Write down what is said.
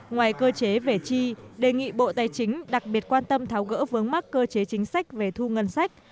ngoài cơ chế về chi đề nghị bộ tài chính đặc biệt quan tâm tháo gỡ vướng mắc cơ chế chính sách về thu ngân sách